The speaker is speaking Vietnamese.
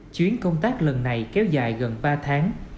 chuyến công tác lần này kéo dài gần ba tháng